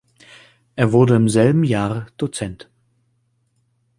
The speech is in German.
Er wurde im selben Jahr Dozent.